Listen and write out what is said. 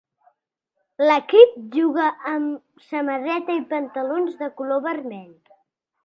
L'equip juga amb samarreta i pantalons de color vermell.